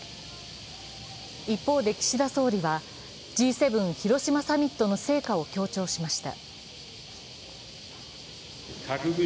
一方で岸田総理はＧ７広島サミットの成果を強調しました。